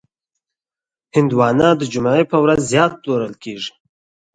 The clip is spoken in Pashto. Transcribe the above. هندوانه د جمعې په ورځ زیات پلورل کېږي.